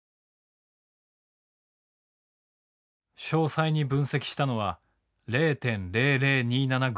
詳細に分析したのは０．００２７ｇ。